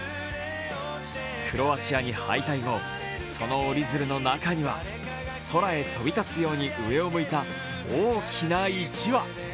クロアチアに敗退後その折り鶴の中には空へ飛び立つように上を向いた大きな１羽。